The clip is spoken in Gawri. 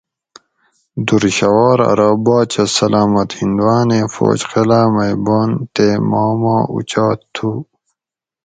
دُرشھوار ارو باچہ سلامت ھندوانیں فوج قلعہ مئ بن تے ما ما اوچات تھو